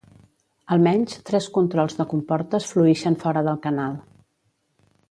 Almenys, tres controls de comportes fluïxen fora del canal.